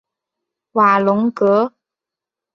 瓦龙格。